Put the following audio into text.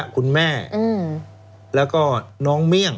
คุณแม่แล้วก็น้องเมี่ยง